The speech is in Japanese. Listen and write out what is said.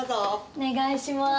お願いします。